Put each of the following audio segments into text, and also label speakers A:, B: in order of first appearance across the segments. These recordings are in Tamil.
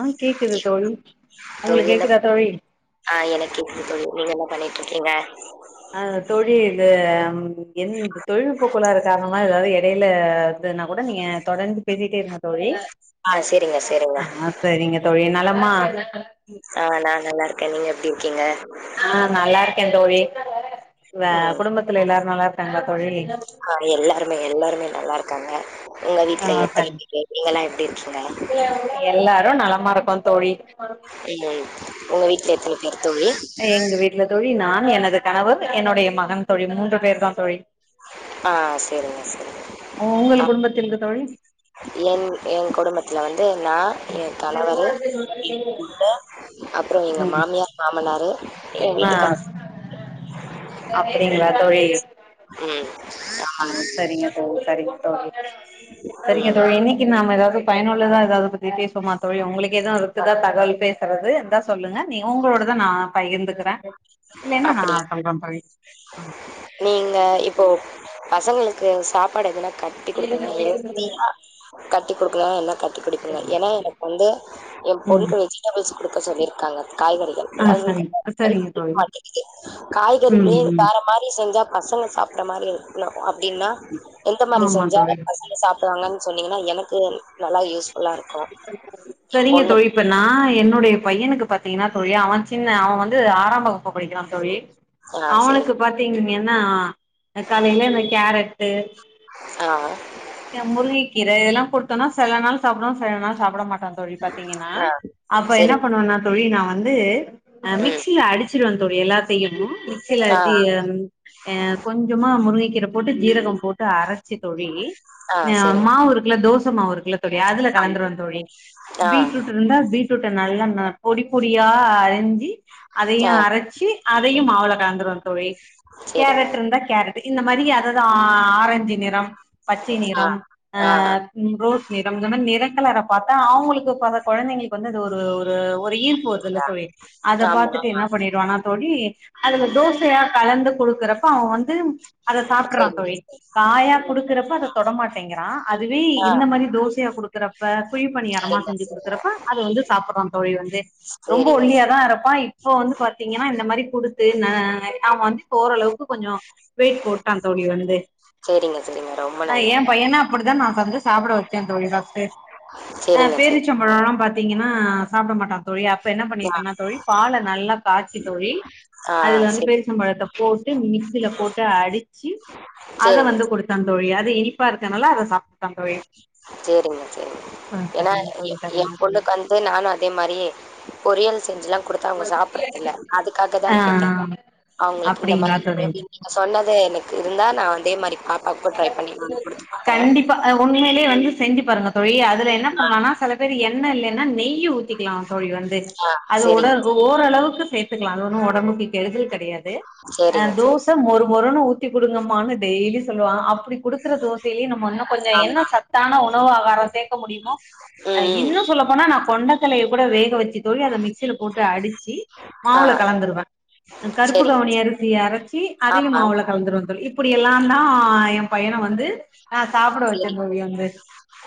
A: ஆ கேக்குது தோழி உங்களுக்கு
B: தொழிலப்
A: கேக்குதா தோழி
B: ஆ எனக்கு கேக்குது தோழி நீங்க என்ன பண்ணிட்டு இருக்கிங்க
A: அ தோழி இது என் தொழில்நுட்ப கோளாறு காரணமா எதாவுது எடையில எதுனா கோட நீங்க தொடர்ந்து பேசிட்டே இருங்க தோழி
B: ஆ செரிங்க செரிங்க
A: ஆ சரிங்க தோழி நலமா
B: ஆ நா நல்லா இருக்கே நீங்க எப்பிடி இருக்கிங்க
A: ஆ நல்லா இருக்கே தோழி அ குடும்பத்துல எல்லாரு நல்லாருக்றாங்ளா தோழி
B: அங்க எல்லாருமே எல்லாருமே நல்லாருக்காங்க உங்க
A: ஆ
B: வீட்ல எத்தனை
A: சரி
B: பேரு நீங்கெல்லா எப்டி இருக்கிங்க
A: எல்லாரு நலமா இருக்கோ தோழி
B: ம் உங்க வீட்ல எத்தன பேர் தோழி
A: நானு எனது கணவர் என்னுடைய மகன் தோழி மூன்று பேர்தா தோழி
B: ஆ செரிங்க செரிங்க
A: உ
B: ஆ
A: உங்கள் குடும்பத்தில் தோழி
B: என் என் குடும்பத்துல வந்து நா
A: ம்
B: எ கணவரு எம்புள்ள அப்பற எங்க
A: ம்
B: மாமியார் மாமனாரு என்
A: ஆ
B: வீட்டுக்கார்
A: அப்படிங்ளா தோழி
B: ம் ம்
A: சரிங்க தோழி சரிங்க தோழி சரிங்க
B: ம்
A: தோழி இன்னைக்கு நாம எதாவுது பயனுள்ளதா எதாவது பத்தி பேசுவமா தோழி உங்களுக்கு எதா இருக்குதா தகவல் பேசுறது இருந்தா சொல்லுங்க நீங் உங்களோடத நா பகிர்ந்துகிற இல்லைனா நா
B: அப்டி
A: சொல்ற தோழி
B: நீங்க இப்போ பசங்களுக்கு சாப்பாடு எதுனா கட்டி குடுப்பிங்னா [inaudible] கட்டி குடு திய என்ன கட்டி குடுப்பீங்க ஏன்னா எனக் வந்து எ
A: ம்
B: பொண்க்கு வெஜிடபிள்ஸ் குடுக்க சொல்லிருக்காங்க காய் கறிக
A: ஆ
B: அது
A: சரிங்க சரிங்க
B: [unintelligible]
A: தோழி
B: [unintelligible]
A: ம்
B: காய்கறில்யே
A: ம்
B: வேற மாரி செஞ்சா பசங்க சாப்ற மாரி இருக்னு அப்டின்னா எந்த மாரி
A: ஆமா
B: செஞ்சா
A: தோழி
B: பசங்க சாப்டுவாங்கன் சொன்னீங்கனா எனக்கு நல்லா யூஸ்
A: செரிங்க தோழி இப்ப நா என்னுடைய பையனுக்கு பாத்தீங்கன்னா தோழி அவ சின்ன அவ வந்து ஆராம் வகுப் பு படிக்கிறா தோழி
B: ஆ
A: அவனுக்கு
B: சேரிங்க
A: பாத்தீங்கீங்கன்னா அ காலில இந்த கேரட்டு
B: ஆ
A: அ முருங்கை கீர இதெல்லா குட்த்தனா செல நாள் சாப்ட்வா செல நாள் சாப்புட மாட் டா தோழி பாத்தீங்கன்னா
B: ஆ
A: அப்ப என்ன
B: சேரிங்க
A: பண்ணுவனா தோழி நா வந்து அ
B: ம்
A: மிக்சியில அடிச்சுடுவ தோழி எல்லாத்தையு மிக்சியில
B: ஆ
A: அடிச்சு அ ம் அ கொஞ்சமா முருங்கக்கிர போட்டு ஜீரகோ போட்டு அரச்சி தோழி
B: ஆ
A: அ
B: சேரிங்க
A: மாவு இருக்குல தோச மாவ் இருக்குல தோழி அதுல கலந்துருவ தோழி
B: ஆ
A: பீட்ரூட் ருந்தா பீட் ரூட்ட நல்லா வ பொடி பொடியா அரிஞ்சி அதையு
B: ஆ
A: அரச்சி அதையு மாவுல கலந்துருவ தோழி
B: சேரிங்க
A: கேரட்ருந்தா கேரட்டு இந்த மாரி அததா ஆ ரஞ்சு நிறம் பச்சை
B: ஆ
A: நிறம் அ
B: ஆ
A: ம் ரோஸ் நிறம் இந்த மாரி நிறங்கள பாத்தா அவுங்களுக்கு கொழக் கொழந்தைங்ளுக் வந்தது ஒரு ஒரு ஒரு ஈர்ப்பு அதுல
B: அதான்.
A: தோழி அத
B: ஆமா,
A: பாத்துட்டு
B: ஆமா.
A: என்னா பண்ணிடுவனா தோழி அதுல தோசயா கலந்து குடுக்குறப்ப அவ வந்து அத சாப்டுட்றா
B: சரிங்க
A: தோழி
B: சார்.
A: காயா குடுக்கறப்பத தொடமாட்டேங்கிறா அதுவே
B: ஆ
A: இந்த மாரி தோசயா குடுக்கறப்ப குழி பனியாரமா
B: சரிங்க
A: செஞ்சு
B: சார்.
A: குடுக்கறப்ப அது வந் து சாப்புற்றா தோழி வந்து ரொம்ப
B: சரிங்க
A: ஒல்லியா
B: சார்.
A: தா இருப்பா இப்போ வந்து பாத்தீங்கன்னா இந்த மாரி குடுத்து ந அ அவ வந்து ஒரளவுக்கு கொஞ்சோ வெயிட் போட்டா தோழி வந்து
B: சரிங்க, சரிங்க. ரொம்ப
A: அ எ
B: நல்லது.
A: பையன அப்படிதா நா சஞ்ச சாப்பிட வச்சேந் தோழி [unintelligible] து நா
B: சரிங்க சரி.
A: பேரிச்சம்பழோல்லா பாத்தீங்கன்னா சாப்ட மாட்டா தோழி அப்ப என்ன
B: ஆ
A: பண்ணிட்டெனா தோழி பால நல்லா காச்சி தோழி
B: ஆ
A: அதுல வந்து
B: சரி.
A: பேரிச்சம்பழத்த போட்டு மிக்சில போட்டு அடிச்சி அத
B: சரிங்க,
A: வந்து குடுத்தங் தோழி அது இனிப்பா இருக்கனாலா அத சாப்புட்டா தோழி
B: செரிங்க செரிங்க
A: ஆ
B: ஏன்னா
A: சரிங்க
B: எ
A: தோழி
B: எ
A: சரிங்க தோழி
B: பொண்ணுக்கு வந்து நானு அதே மாரியே பொரியல் செஞ்சுல்லா குடுத்தா அவுங்க சாப்புறதில்ல அதுக்காக தா
A: ஆ
B: கேட்டே அவுங்களுக்கு இந்த
A: அப்டிங்களா
B: மாரி
A: தோழி
B: [unintelligible] சொன்னது எனக்கு இருந்தா நா அதே மாரி பா பாத்து ட்ரை பண்ணி நா குடுத்து பாக்கறே
A: அ உண்மையிலே வந்து செஞ்சு பாருங்க தோழி அதுல என்ன
B: ஆ
A: பண்ணலானா செல பேரு என்ணெ இல்லேன்னா நெய் யி ஊத்திக்கிலா தோழி வந்து
B: ஆ
A: அது
B: சரிங்க,
A: உடல் ஒ ஓரளவுக்கு எத்துக்லா அது ஒன்னு ஒடம்புக்கு கெடுதல் கெடையாது அ
B: சரிங்க, சரி.
A: தோச மொறு மொறுனு ஊத்தி குடுங்கமானு டெய்லி சொல்லுவா அப்புடி குடு க்கிற தோசையிலயு நம்ம இன்னு கொஞ்சு என்ன
B: ஆமா.
A: சத்தான உணவு ஆகாரம் சேக்க முடியுமோ அ
B: ம், ம்.
A: இன்னு சொல்லப்போனா நா கொண்டக்கலைய கூட வேக வெச்சுட் டு அத மிக்சில போட்டு அடிச்சி
B: ஆ
A: மாவுல கலந்துடுவே அ கருப்பு
B: சரிங்க.
A: கவுனி அரிசி அரச்சி அதயு
B: ஆமா.
A: மாவுல கலந்துருவந்தல் இப்புடி எல்லா அ எ பையன வந்து அ சாப்பிட வச்சந்தோழி வந்து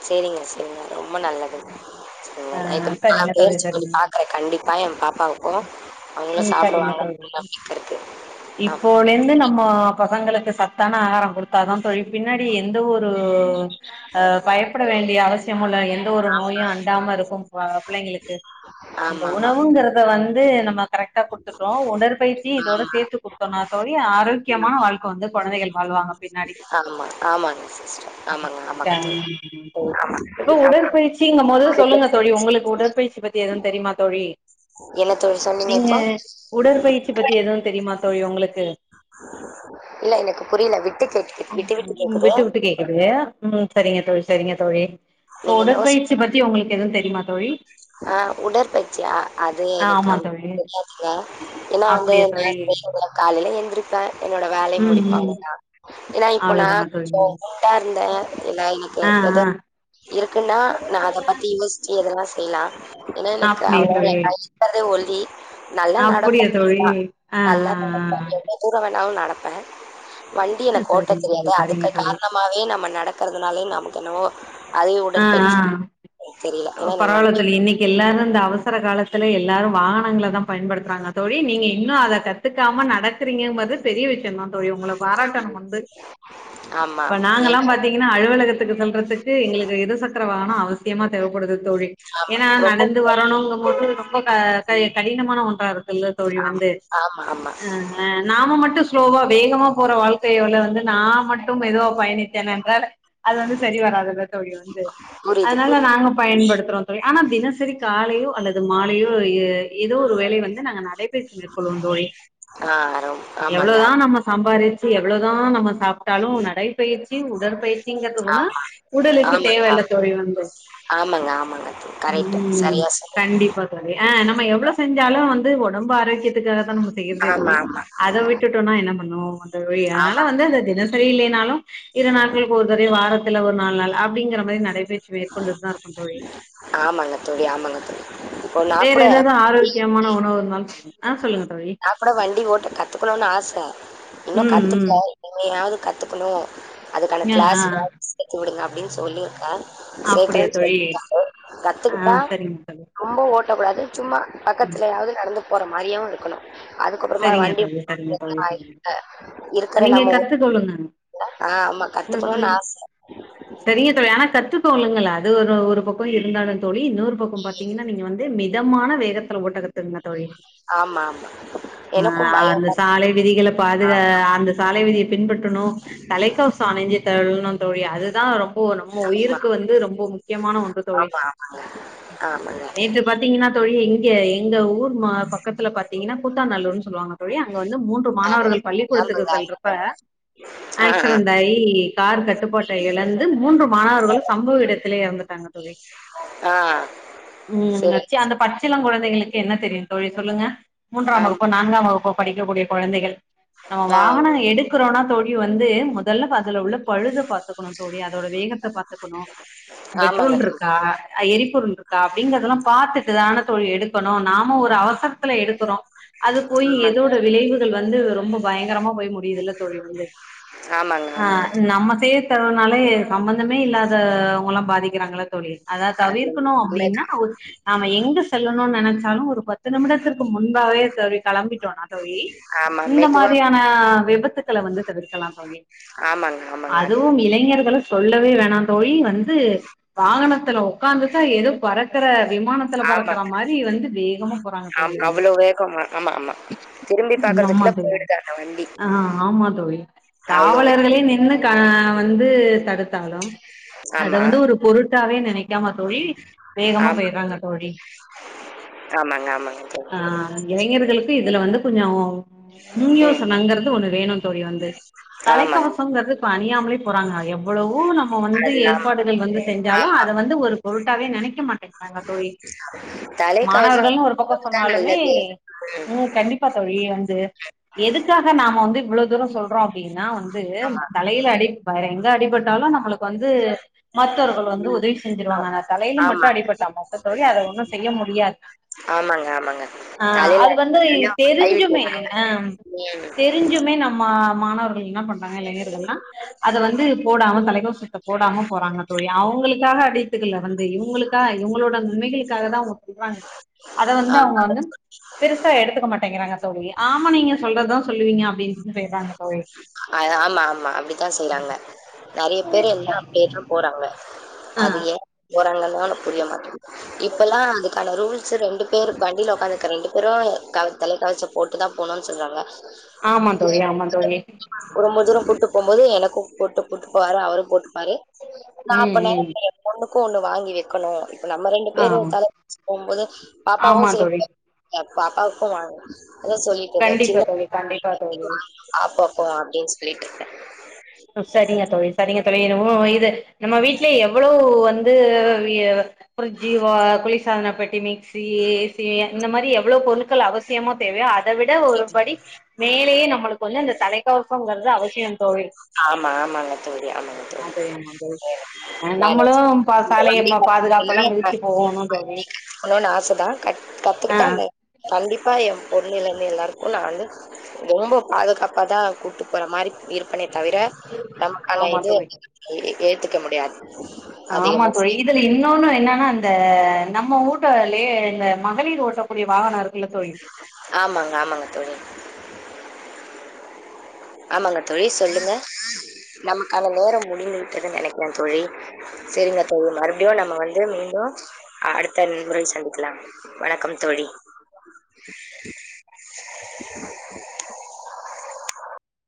B: செரிங்க செரிங்க ரொம்ப நல்லது செரி
A: ஆ
B: இது நா
A: சரிங்க தோழி
B: முயற்சி பண்ணி
A: சரிங்க
B: பாக்குறே கண்டிப்பா எ பாப்பாவுக்கு அவுங்களு
A: ம் சரிங்க
B: சாப்டுவாங்கன்
A: தோழி
B: ரொம்ப வீக்காருக்கு
A: இப்போலேந்து நம்ம பசங்களுக்கு சத்தான ஆகாரோ குடுத்தாதா தோழி பின்னாடி எந்த ஒரு அ பயப்பட வேண்டிய அவசியமு இல்ல எந்த ஒரு நோயு அண்டாம இருக்கு ப பிள்ளைங்கிளுக்கு இந்த
B: ஆமாமா.
A: உணவுங்கறத வந் து நம்ம கரெக்டா குட்த்துட்டோ உடற்பயிற்சி இதோட
B: ஆமா,
A: சேத்து குத்தோனா தோழி ஆரோக்யமான வாழ்க்க வந்து கொழந்தைகள் வாழுவாங்க பின்னாடி
B: ஆமா. ஆமாங்க சிஸ்டர். ஆமாங்க,
A: நோய்கள்
B: ஆமாங்க தோழி.
A: தாங்குவாங்க தோழி இப்போ
B: அப்புறம்
A: உடற்பயிற்சிங்கமோது
B: அடுத்த
A: சொல்லுங்க தோழி உங்களுக்கு உடற்பயிற்சி பத்தி எதுவுந் தெரியுமா தோழி
B: என்ன தோழி சொன்னீங்க
A: நீங்க
B: இப்போ?
A: உடற்பயிற்சி பத்தி எதுவு தெரியுமா தோழி உங்ளுக்கு
B: [inaudible] புரியல. விட்டு கேட்குது விட்டு
A: ம்
B: கேட்குது.
A: விட்டு விட்டு கேக்குது ம் சரிங்க தோழி சரிங்க தோழி இப்ப உடற்பயிற்சி பத்தி உங்குளுக்கு எதுவு தெரிமா
B: அ உடற்பயிற்சியா அது
A: ஆ
B: எனக்கு
A: ஆமா
B: அவ்
A: தோழி
B: தெரியாதுங்க ஏனா வந்து
A: அப்படியா
B: நா
A: தோழி
B: [unintelligible] செய்றது இல்ல காலைல எந்திரிப்பே என்னோட வே வேலை
A: ம்
B: முடிப்ப
A: ம்
B: அவ்ளோ தா ஏனா இப்போ நா
A: அவ்ளோதானா தோழி
B: கொஞ்சோ குண்டாருந்தே
A: ஆ
B: [unintelligible] எதோ இருக்குன்னா நா அத பத்தி யோசிச்சு எதென்னா செய்லா ஏனா
A: ஆ
B: எனக்கு [unintelligible] நா
A: அப்படியா தோழி
B: இருக்றதே ஒல்லி நல்ல
A: அப்படியா
B: நடப்ப [unintelligible]
A: தோழி
B: தா
A: ஆ
B: நல்லா
A: ஆ
B: நடப்பா எவ்ளோ தூரொ வேணாவு நடப்ப வண்டி
A: ஆ
B: எனக்கு ஓட்ட
A: சரிங்க தோழி
B: தெரியாது
A: சரிங்க
B: அதுக்க
A: தோழி
B: காரணமாவே நம்ம நடக்கறதுனால நமக்கு என்னவோ அதே
A: ஆ ஆ
B: உடற்பயிற்சி தெரில ஏனா
A: பரவால்ல இன்னைக்கு எல்லாரு இந்த அவசர காலத்துல எல்லா வாகனங்கள தா பயன்படுத்துறாங்க தோழி நீங்க இன்னு அத கத்துக்காம நடக்கறீங்கம்போது பெரிய விஷயோ தா தோழி ஒங்கள பாராட்டணு வந்து
B: ஆமா.
A: இப்ப நாங்கலா
B: ஏன்னா
A: பாத்தீங்னா அலுவலகத்துக்கு செல்றத்துக்கு எங்குளுக்கு இருசக்கர வாகனம் அவசியமா தேவப்படுது தோழி ஏனா
B: ரொம்ப
A: நடந்து வரணுங்க போது ரொம்ப க க
B: ம்.
A: கடினமான ஒன்றா இருக்குல தோழி வந்து
B: ஆமா, ஆமா.
A: அ நாம மட்டு ஸ்லோவா வேகமா போற வாழ்க்கை யோல வந்து நா மட் டூ மெதுவா பயணித்தேன் என்றால் அது வந்து சரி வராது தோழி வந்து
B: புரியுது,
A: அதனால
B: புரியுது.
A: நாங்க பயன்படுத்றோ தோழி ஆனா தினசரி காலையோ அல்லது மாலையோ எதோ ஒரு வேலை வந்து நாங்க நடைபயிற்சி மேற்கொள்வோ தோழி
B: ஆ ரொம் ஆமாங்க,
A: எவ்ளோதா நம்ம சாம்பாரி எவ்ளோ தா நம்ம சாப்ட்டாலு நடைப்பயிற்சி உடற்பயிற்சிங்கிறது
B: ஆமா,
A: [unintelligible] உடலுக்கு
B: ஆமா,
A: தேவ இல்ல தோழி வந்து
B: ஆமாங்க, ஆமாங்க, ஆமாங்க தோழி. கரெக்ட்.
A: ம்
B: சரியா சொன்னீங்க.
A: கண்டிப்பா தோழி ஆ நம்ம எவ்ளோ செஞ்சாலு வந்து ஒடம்பு ஆரோக்கியத் துக்காக தா நம்ம செய்யறதே
B: ஆமா,
A: தோழி
B: ஆமா,
A: அத விட்டுட்டோனா என்ன பண்ணுவோ [unintelligible] அதனால
B: ஆமா,
A: வந்து அத தின செய்லை னாலு இரு நாட்களுக்கு ஒருத்தர வாரத்துல ஒரு நாலு நாள் அப்டிங்கற மாரி நடை ச்சி மேற்கொண்டுட்டு தாருக்கோ தோழி
B: ஆமாங்க தோழி, ஆமாங்க தோழி. இப்போ நான்
A: வேற
B: கூட
A: எதாது
B: வண்டி
A: ஆரோக்கியமான உணவு இருந்தாலு ஆ சொல்லுங்க தோழி
B: நா கூட வண்டி ஓட்ட கத்துக்குணுனு ஆச இன்னு
A: ம் ம்
B: கத்துக்ல இனிமேயாது ணு அதுக்கான
A: ஆ
B: கிளாஸ்
A: ஆ
B: யாது சேத்தி விடுங்க அப்டின் சொல்லிருக்கே
A: அப்டியா
B: சேக்ரேன்
A: தோழி
B: சொல்லிருக்காரு
A: ஆ
B: கத்துக்கிட்ட
A: சரிங்க தோழி
B: ரொம்ப ஓ ட்டக்கூடாது சும்மா
A: ம்
B: பக்கத்துலயாது நடந்து போற மாரியு இருக்குணு அதுக்கப்றமா
A: சரிங்க
B: வண்டி
A: தோழி சரிங்க தோழி சரிங்க
B: [inaudible] இருக்கற
A: நீங்க
B: நம்ம
A: கத்துக்கொள்ளுங்க
B: ஆ ஆமா
A: ம்
B: கத்துக்குணுன்
A: ம்
B: ஆச
A: சரிங்க தோழி ஆனா கத்து [unintelligible] அது ஒரு ஒரு பக்கோ இருந்தாலு தோழி இன்னொரு பக்கோ பாத்தீங்கன்னா நீங்க வந்து மெ தமான வேகத்துல ஓட்ட கத்துக்குங்
B: ஆமா ஆமா
A: ஆ
B: எனக்கும் பயம்
A: அந்த
B: தான்.
A: சாலை விதிகள பாதுகா அந்த சாலை விதிய பின்பற்றுணு தலைக்கவச அணிஞ்சி [unintelligible] ணு தோழி அதுதா ரொம் போ நம்ம
B: ஆமா,
A: உயிருக்கு வந்து ரொம்ப முக்கியமான ஒன்று தோழி
B: ஆமா, ஆமா. ஆமாங்க.
A: நேத்து பாத்தீங்னா தோழி எங் இங்க எங்க ஊர் மா பக்கத்துல பாத்தீங்கனா கூத்தாநல்லூர் சொல்லுவாங்க தோழி அங்க வந்து மூன்று
B: ஆமா.
A: மாணவர்கள் பள்ளிக்கூடத்துக்கு
B: ஆமாங்க,
A: செல்றப்ப
B: ஆமாங்க. ஆ, ஆ,
A: ஆக்சிடென்ட் ஆயி கார் கட்டுப்பாட்ட எழந்து மூன்று மாணவர்களு சம்பவ இடத்துலே எறந்துட்டாங்க தோழி
B: ஆ
A: ம்
B: சரி.
A: நச்சு அந்த பச்சிளம் குழந்தைங்களுக்கு என்ன தெரியு தோழி சொல்லுங்க மூன்றாம்
B: ஆமா.
A: வகுப்பு நான்காம் வகுப்பு படிக்கக்கூடிய கொழந்தைகள் நம்ம
B: ஆ,
A: வாகனோ எடுக்றோனா தோழி வந்து மொதல்ல பதுல உள்ள பழுத பாத் துக்குணூ தோழி அதோட வேகத்த பாத்துக்குணூ
B: ஆமாங்க.
A: பெட்ரோல்ருக்கா ஆ எரிபொருள்ருக்கா அப்படிங்கிறதல்லா பாத்துட்டு தான தோழி எடுக் க்ணூ நாம ஒரு அவசரத்துல எடுக்கிறோ அது போயி
B: ஆமாங்க.
A: எதோட விளைவுகள் வந்து ரொ ம்ப பயங்கரமா போய் முடியுதுல்ல தோழி வந்து
B: ஆமாங்க,
A: ஆ
B: ஆமாங்க.
A: நம்ம சேஃப் தருனாலே சம்பந்தமே இல்லாத அவுங்கல்லா பாதிக்கிறாங்கல தோழி அத
B: அது
A: தவிர்க்கணூ அப்டின்னா
B: உண்மைதான்.
A: நாம எங்க செல்லணூன் நனைச்சாலு ஒரு பத்து நிமிடத்திற்கு முன்பாவே தோழி கெளம்பிட்டோனா தோழி
B: ஆமா,
A: இந்த
B: மெதுவா
A: மாரியான விபத்துக்கள வந்து தவிர்க்கலா தோழி
B: ஆமாங்க, ஆமாங்க. அது
A: அதுவூ
B: என்னமோ
A: இளைஞர்கள சொல் லவே வேணா தோழி வந்து வாகனத்துல உக்காந்துட்டா எதோ பறக்கற விமானத்துல பறக்குற
B: ஆமாங்க.
A: மாரி வந்து வேகமா போறாங்க தோழி
B: ஆமா
A: வந்து
B: அவ்ளோ வேகமா ஆமா ஆமா திரும்பி
A: ஆமா
B: பார்க்கறதுக்குள்ள
A: தோழி
B: போயிடுது அந்த வண்டி.
A: ஆ ஆமா தோழி
B: அவ்ளோவே
A: காவலர்களே நின்னு கா வந்து தடுத்தாலு அத
B: ஆமா.
A: வந்து ஒரு பொருட்டாவே நெனைக் காம தோழி வேகமா
B: ஆமா.
A: போய்றாங்க தோழி
B: ஆமாங்க, ஆமாங்க தோழி.
A: ஆ இளைஞர்களுக்கு இதுல வந்து கொஞ்சோ முன்
B: ம்.
A: யோசனைங்கிறது ஒன்னு வேணு தோழி வந்து
B: ஆமாங்க.
A: தலைக்கவசமக்ஷங்கிறது இப்ப அணியாமலே போறாங்க எவ்ளவ் வூ நம்ம வந்து
B: அது ஆமா,
A: ஏற்பாடுகள் வந்து செஞ்சாலு
B: ஆமா.
A: அத வந்து ஒரு பொருட்டாவே நனைக்க மாட்டேங்கிறாங்க தோழி
B: தலைக்கவசம்
A: மாணவர்களு ஒரு பக்கோ
B: தான்
A: உனாலுமே
B: நல்லது.
A: ம் கண்டிப்பா தோழி வந்து எதுக்காக நாம வந்து இவ்ளோ தூரோ சொல்றோ அப்டின்னா வந்து தலையில அடி பயங் க அடிபட்டாலு நம்ளுக்கு வந்து மத்தவர்கள் வந்து
B: ம்.
A: உதவி
B: அ
A: செஞ்சிருவாங்க ஆனா தலையில மட்டு
B: ஆமாங்க,
A: அடிப்பட்டா மட்டு தோழி அத ஒன்னு செய்ய முடியாது
B: ஆமாங்க ஆமாங்க.
A: ஆ
B: தலையில
A: அது வந்து
B: அடிபட்டாலே அவங்க கை
A: தெரிஞ்சுமே
B: விட்டுர்றாங்க.
A: அ
B: ம்.
A: தெரிஞ்சுமே நம்ம மாணவர் என்ன பண்றாங்க இளைஞர்கள்ல்லா அத வந்து போடாம தலைக்கவசத்த போடாம போறாங்க தோழி அவுங்களுக்காக அடி த்துக்ல வந்து இவுங்களுக்கா இவுங்ளோட நன்மைகளுக்காக தா அவுங்க சொல்றாங் ந்தாவுங்க
B: ஆமா.
A: வந்து பெருசா எடுத்துக்க மாட்டேங்கிறாங்க தோழி ஆமா நீங்க சொல்றதா சொல்லுவீங்க அப் வின் செய்தாங்க
B: அ ஆமா ஆமா அப்டித்தா செய்றாங்க நறைய பேரு எல்லா அப்டியேதா போறாங்க
A: ஆஹ்
B: அது ஏ போறாங்கன் ஓன் புரிய மாட்டேங்குது இப்பல்லா அதுக்கான ரூல்ஸ் ரெண்டு பேர் வண்டில ஒக்காந்துக்க ரெண்டு பேரூ கவ் தலைக்கவசோ போட்டு தா போணூன் சொல்றாங்க
A: ஆமா தோழி ஆமா தோழி
B: ரொம்ப தூரோ கூட்டு போம்போது எனக்கூ போட்டு கூட்டு போவாரு அவரூ போட்டுக் பாரு நா
A: ம்
B: அப்ப
A: ம்
B: நெனைப்பே ஏ பொண்ணுக்கூ ஒன்னு வாங்கி வெக்கணூ நம்ம ரெண்டு
A: ஆ
B: பேரூ தல போம்போது பாப்பாவூ
A: ஆமா
B: செ
A: தோழி
B: பாப்பாவுக்கூ வாங்
A: கண்டிப்பா தோழி கண்டிப்பா தோழி
B: பாப்பாக்கூ அப்டின் சொல்லிட்ருக்கே
A: செரிங்க தோழி செரிங்க தோழி வுவு இது நம்ம வீட்லே எவ்ளவ் வந்து வி ஃப்ரிஜ்ஜி வா குளிர் சாதனப்பெட்டி மிக்ஸி ஏஸி இந்த மாரி எவ்ளோ பொருள்கள் அவசியமா தேவையோ அத விட ஒருபடி மேலேயே நம்மளுக்கு வந்து அந்த தலைக் கவசோங்கிறது அவசியோ தோழி
B: ஆமா ஆமாங்க தோழி ஆமாங்க
A: ஆமா
B: தோழி
A: ஆமா தோழி
B: நானு [inaudible]
A: நம்மளு ப சாலைய ம பாதுகாப்பெல்லா
B: இல்லப்பா
A: விதிச்சு போகணு தோழி
B: னூன் ஆச தா கத்
A: ஆ
B: கத்துக்கிட்டா அந்த கண்டிப்பா எம் பொண்ணுலேந்து எல்லார்க்கூ நா வந்து ரொம்ப பாதுகாப்பா தா கூட்டு போற மாரி இர்ப்பேனே தவிர நமக்கான
A: ஆமா
B: இது
A: தோழி
B: ஏத்துக்க முடியாது
A: ஆமா
B: அதிகமா
A: தோழி இதுல இன்னொன்னு என்னன்னா இந்த நம்ம ஊர் கூட்டாலே இந்த மகளிர் ஓட்டக்கூடிய வாகனோ இருக்குல்ல தோழி
B: ஆமாங்க ஆமாங்க தோழி ஆமாங்க தோழி சொல்லுங்க நமக்கான நேரம் முடிந்து விட்டது நினைக்கிறே தோழி சரிங்க தோழி மறுபடியும் நம்ம வந்து மீண்டு அடுத்த முறை சந்திக்கலாம் வணக்கம் தோழி [inaudible]